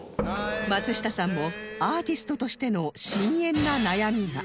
松下さんもアーティストとしての深遠な悩みが